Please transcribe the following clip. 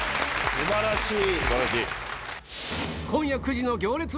素晴らしい！